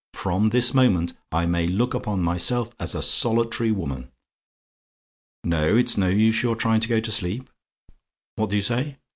From this moment, I may look upon myself as a solitary woman. Now, it's no use your trying to go to sleep. What do you say?